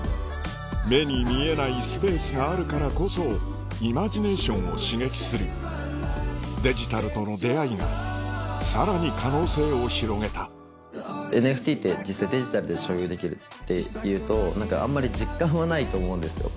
目に見えないスペースがあるからこそイマジネーションを刺激するデジタルとの出合いがさらに可能性を広げたＮＦＴって実際デジタルで所有できるっていうとあんまり実感はないと思うんですよ。